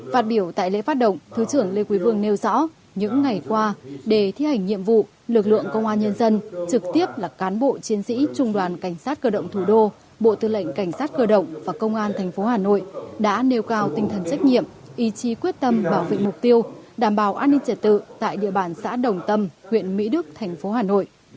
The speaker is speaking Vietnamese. phát biểu tại lễ phát động thứ trưởng lê quý vương nêu rõ những ngày qua để thi hành nhiệm vụ lực lượng công an nhân dân trực tiếp là cán bộ chiến sĩ trung đoàn cảnh sát cơ động thủ đô bộ tư lệnh cảnh sát cơ động và công an tp hà nội đã nêu cao tinh thần trách nhiệm ý chí quyết tâm bảo vệ mục tiêu đảm bảo an ninh trẻ tự tại địa bàn xã đồng tâm huyện mỹ đức tp hà nội